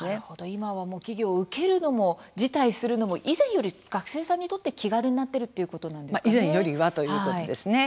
今は企業を受けるのも辞退するのも以前より学生さんにとって気軽になっている以前よりはということですね。